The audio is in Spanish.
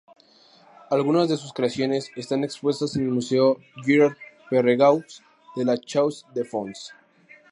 Algunas de sus creaciones están expuestas en el Museo Girard-Perregaux de La Chaux-de-Fonds.